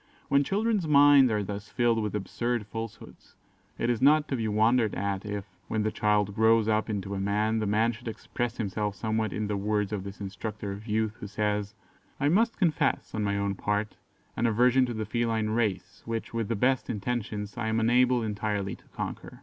When children's minds are thus filled with absurd falsehoods, it is not to be wondered at if, when the child grows up into a man, the man should express himself somewhat in the words of this instructor of youth, who says, "I must confess, on my own part, an aversion to the feline race, which, with the best intentions, I am unable entirely to conquer.